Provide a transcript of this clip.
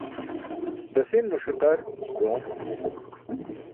Dasin mo ṣiqar doom.